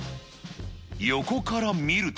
横から見ると。